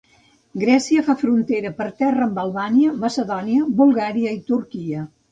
Grècia fa frontera per terra amb Albània, Macedònia, Bulgària i Turquia.